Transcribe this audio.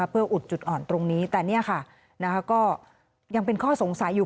เพื่ออุดจุดอ่อนตรงนี้แต่นี่ค่ะก็ยังเป็นข้อสงสัยอยู่